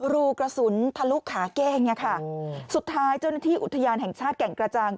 รูกระสุนทะลุขาเก้งเนี่ยค่ะสุดท้ายเจ้าหน้าที่อุทยานแห่งชาติแก่งกระจาง